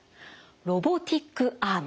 ロボティックアーム。